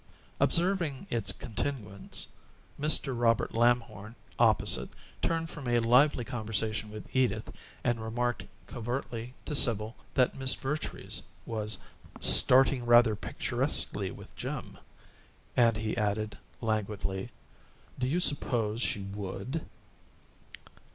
Observing its continuance, Mr. Robert Lamhorn, opposite, turned from a lively conversation with Edith and remarked covertly to Sibyl that Miss Vertrees was "starting rather picturesquely with Jim." And he added, languidly, "Do you suppose she WOULD?"